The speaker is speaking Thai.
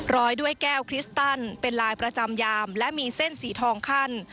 ร้อยด้วยแก้วคริสตันเป็นลายประจำยามและมีเส้นสีทองขั้น